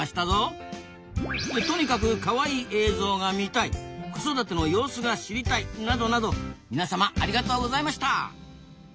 「とにかくカワイイ映像が見たい」「子育ての様子が知りたい」などなど皆様ありがとうございました！